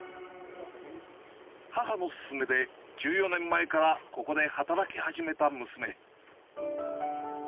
母の勧めで、１４年前からここで働き始めた娘。